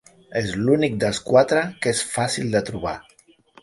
És l'únic dels quatre que és fàcil de trobar.